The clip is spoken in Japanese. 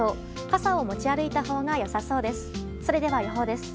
傘を持ち歩いたほうが良さそうです。